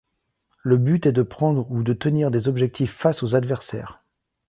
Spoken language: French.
Le but est de prendre ou de tenir des objectifs face aux adversaires.